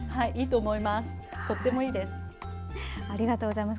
とてもいいです。